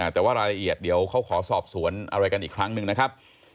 แต่ว่ารายละเอียดเดี๋ยวเขาขอสอบสวนอะไรกันอีกครั้งหนึ่งนะครับ